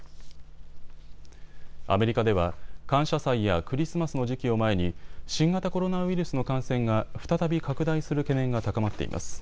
アメリカでは感謝祭やクリスマスの時期を前に新型コロナウイルスの感染が再び拡大する懸念が高まっています。